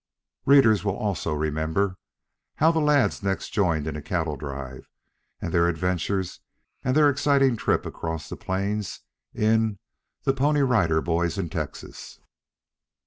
Readers will also remember how the lads next joined in a cattle drive, and their adventures and exciting trip across the plains in "THE PONY RIDER BOYS IN TEXAS."